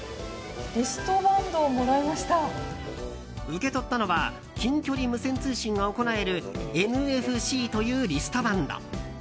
受け取ったのは近距離無線通信が行えるＮＦＣというリストバンド。